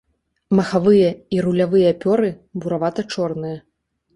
Махавыя і рулявыя пёры буравата-чорныя.